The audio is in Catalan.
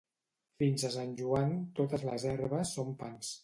Fins a Sant Joan, totes les herbes són pans.